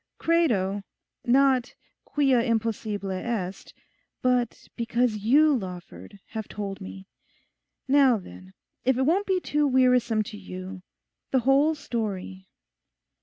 Credo_—not quia impossible est_, but because you, Lawford, have told me. Now then, if it won't be too wearisome to you, the whole story.